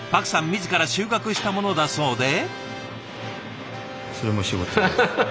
自ら収穫したものだそうで。